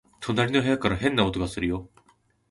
隣の部屋から変な音がするよ